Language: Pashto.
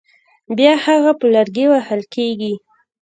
بیا هغه په لرګي وهل کېږي.